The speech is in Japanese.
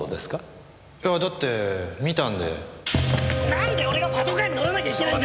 なんで俺がパトカーに乗らなきゃいけねぇんだよ！？